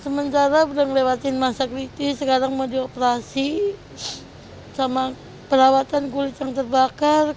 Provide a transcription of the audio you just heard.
sementara udah ngelewatin masa kritis sekarang mau dioperasi sama perawatan kulit yang terbakar